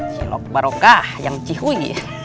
cilok barokah yang cihuy